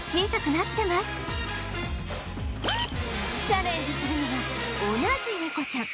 チャレンジするのは同じネコちゃん